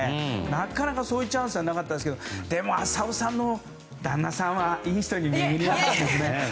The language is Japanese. なかなか、そういうチャンスはなかったですけどでも浅尾さんの旦那さんはいい人に巡り合いましたね。